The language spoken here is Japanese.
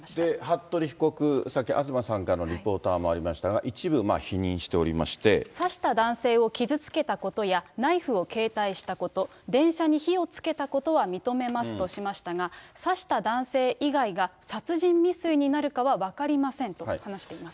服部被告、さっき東さんのリポートもありましたが、一部否認刺した男性を傷つけたことやナイフを携帯したこと、電車に火をつけたことは認めますとしましたが、刺した男性以外が殺人未遂になるかは分かりませんと話しています。